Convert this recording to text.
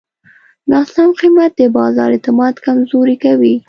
ناسم قیمت د بازار اعتماد کمزوری کوي.